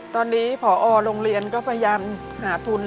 ตอนนี้พอโรงเรียนก็พยายามหาทุนค่าเรียนหนังสือให้ค่ะ